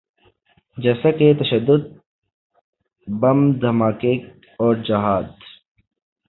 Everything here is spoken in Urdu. جیسا کہ تشدد، بم دھماکے اورجہاد۔